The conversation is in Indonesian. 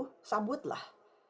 perjalanan itu sabutlah